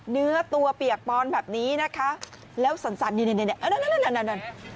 เนื้อตัวเปียกปอนแบบนี้นะคะแล้วสั่นนี่นั่น